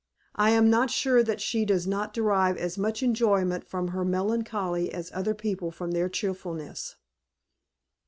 I am not sure that she does not derive as much enjoyment from her melancholy as other people from their cheerfulness.